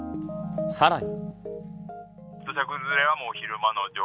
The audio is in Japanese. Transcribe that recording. さらに。